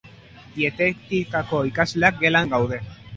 Dietetikako ikasleak gelan gaude.